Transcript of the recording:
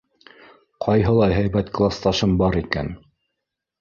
Ҡайһылай һәйбәт класташым бар икән!